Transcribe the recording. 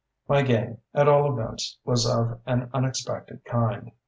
"My gain, at all events, was of an unexpected kind.